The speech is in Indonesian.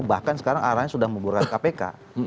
bahkan sekarang arahnya sudah menggunakan kpk